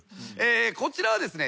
こちらはですね